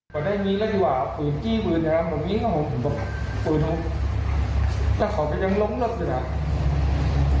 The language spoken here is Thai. พอได้มีก็ดีกว่าเอาปืนจี้บืนนะครับ